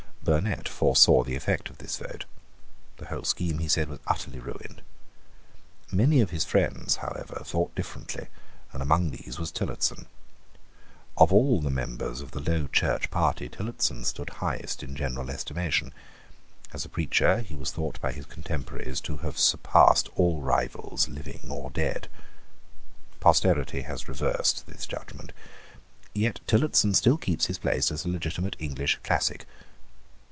Burnet foresaw the effect of this vote. The whole scheme, he said, was utterly ruined, Many of his friends, however, thought differently; and among these was Tillotson. Of all the members of the Low Church party Tillotson stood highest in general estimation. As a preacher, he was thought by his contemporaries to have surpassed all rivals living or dead. Posterity has reversed this judgment. Yet Tillotson still keeps his place as a legitimate English classic.